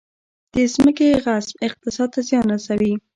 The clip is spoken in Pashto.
د ځمکې غصب اقتصاد ته زیان رسوي